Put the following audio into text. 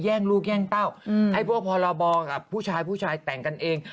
ลูกแย่งเต้าให้พวกพรบกับผู้ชายผู้ชายแต่งกันเอง